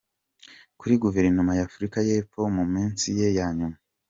Kuri Guverinoma ya Afurika y’Epfo mu minsi ye ya nyuma.